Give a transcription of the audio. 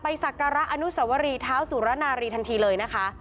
ไปศักระอนุสวรีเท้าสุรณาฤทธิ์ทันทีเลยนะคะ